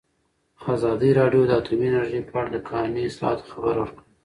ازادي راډیو د اټومي انرژي په اړه د قانوني اصلاحاتو خبر ورکړی.